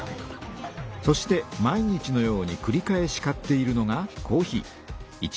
そして毎日のようにくり返し買っているのがコーヒー。